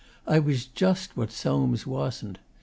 I was just what Soames wasn't.